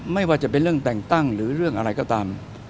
ไม่ว่าจะเป็นเรื่องแต่งตั้งหรือเรื่องอะไรก็ตาม